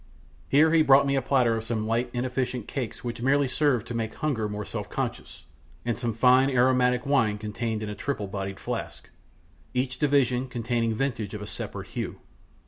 Here he brought me a platter of some light inefficient cakes which merely served to make hunger more self conscious, and some fine aromatic wine contained in a triple bodied flask, each division containing vintage of a separate hue.